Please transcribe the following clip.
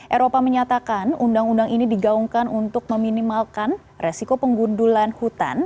eropa menyatakan undang undang ini digaungkan untuk meminimalkan resiko pengundulan hutan